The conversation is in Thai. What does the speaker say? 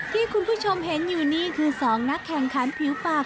ที่คุณผู้ชมเห็นอยู่นี่คือ๒นักแข่งขันผิวปาก